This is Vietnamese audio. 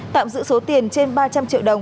tạm giữ số tiền trên ba trăm linh triệu đồng